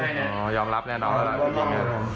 โอ้ยอมรับแน่นอนครับ